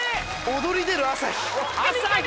躍り出る朝日。